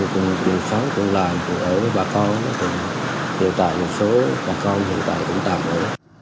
cùng phòng cùng làm cùng ở với bà con đều tại một số bà con hiện tại cũng tạm ở